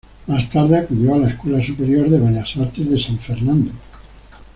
Más tarde acudió a la Escuela Superior de Bellas Artes de San Fernando.